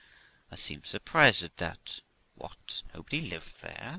' I seemed surprised at that. ' What, nobody lives there !